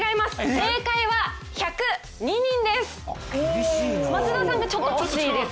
正解は１０２人です！